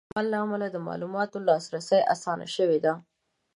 د سمارټ ټکنالوژۍ د استعمال له امله د معلوماتو ته لاسرسی اسانه شوی دی.